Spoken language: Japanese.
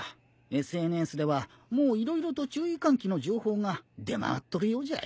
ＳＮＳではもう色々と注意喚起の情報が出回っとるようじゃい。